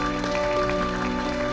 baiklah nusa tenggara barat